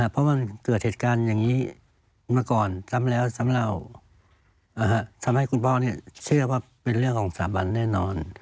เพราะมันเกิดเหตุการณ์อย่างนี้มาก่อนซ้ำแล้วซ้ำเล่าทำให้คุณพ่อเชื่อว่าเป็นเรื่องของสถาบันแน่นอน